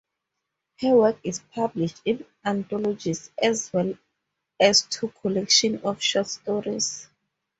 Her work is published in anthologies as well as two collections of short stories.